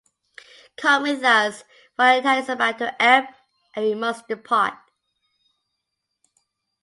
Come with us, for the tide is about to ebb and we must depart.